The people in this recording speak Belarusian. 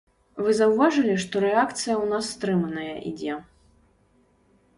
Вы заўважылі, што рэакцыя ў нас стрыманая ідзе?